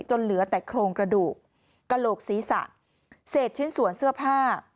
เหลือแต่โครงกระดูกกระโหลกศีรษะเศษชิ้นส่วนเสื้อผ้า